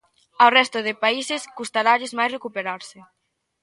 Ao resto de países custaralles máis recuperarse.